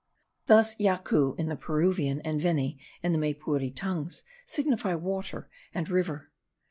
Thus yacu in the Peruvian, and veni in the Maypure tongues, signify water and river.